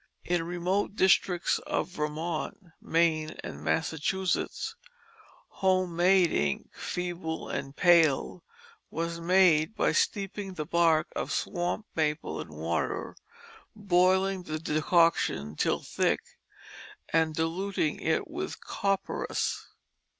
In remote districts of Vermont, Maine, and Massachusetts, home made ink, feeble and pale, was made by steeping the bark of swamp maple in water, boiling the decoction till thick, and diluting it with copperas.